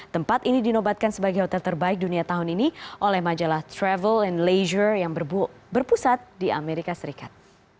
tempat ini dinobatkan sebagai hotel terbaik dunia tahun ini oleh majalah travel and leisure yang berpusat di amerika serikat